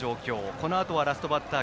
このあとはラストバッター